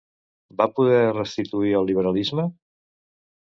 Va poder restituir el liberalisme?